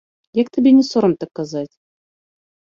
Як табе не сорам так казаць?